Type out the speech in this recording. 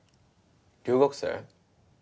留学生？